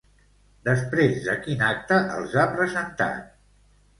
Després de quin acte els ha presentat?